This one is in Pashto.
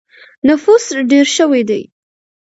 نفوس ډېر شوی دی.